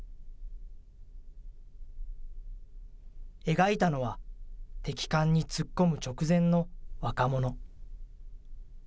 描いたのは、敵艦に突っ込む直前の若者。